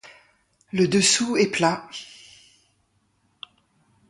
Le dessous est plat.